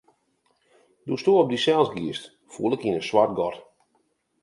Doe'tsto op dysels giest, foel ik yn in swart gat.